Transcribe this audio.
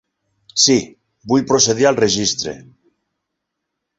Sí, vull procedir al registre!